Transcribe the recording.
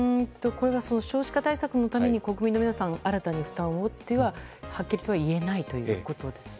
少子化対策のために国民の皆さん新たに負担をと、はっきりとは言えないということですね。